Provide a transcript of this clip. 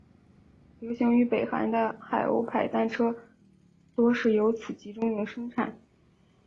流行于北韩的海鸥牌单车多是由此集中营生产。